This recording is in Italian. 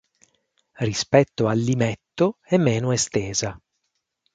Rispetto all'Imetto è meno estesa.